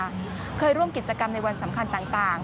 เคยร่วมกิจกรรมในวันสำคัญต่าง